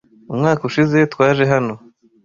umwaka ushize twaje hano